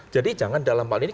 jadi jangan dalam hal ini